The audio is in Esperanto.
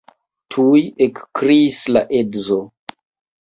Tuj ekkriis la edzo.